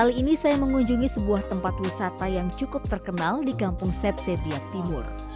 kali ini saya mengunjungi sebuah tempat wisata yang cukup terkenal di kampung sepsebiaktiv